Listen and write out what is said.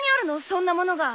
そんなものが。